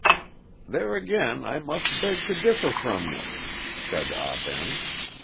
"There again I must beg to differ from you," said Ah Ben.